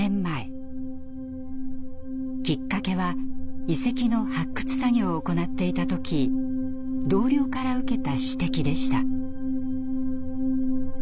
きっかけは遺跡の発掘作業を行っていた時同僚から受けた指摘でした。